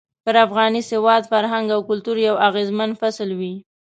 پر افغاني سواد، فرهنګ او کلتور يو اغېزمن فصل وي.